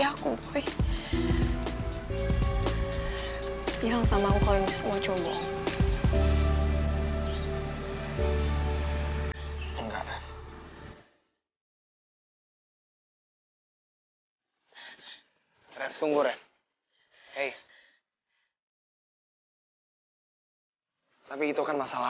hai dari orangnya adalah